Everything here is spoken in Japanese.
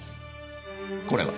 これは？